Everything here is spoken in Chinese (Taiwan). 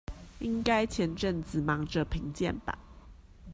應該前陣子忙著評鑑吧